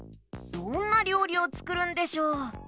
どんなりょうりをつくるんでしょう？